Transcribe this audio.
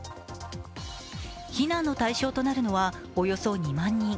避難の対象となるのは、およそ２万人。